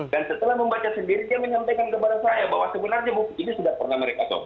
dan setelah membaca sendiri dia menyampaikan kepada saya bahwa sebenarnya buku ini sudah pernah mereka sopir